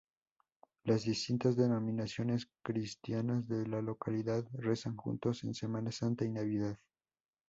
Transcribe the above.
Las distintas denominaciones cristianas de la localidad rezan juntas en Semana Santa y Navidad.